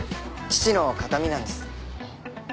父の形見なんです。